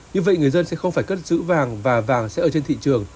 như vậy người dân sẽ không phải cất giữ vàng và vàng sẽ ở trên thị trường